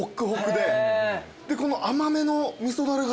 でこの甘めの味噌だれがすごい。